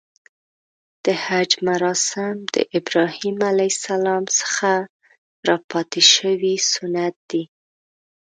د حج مراسم د ابراهیم ع څخه راپاتې شوی سنت دی .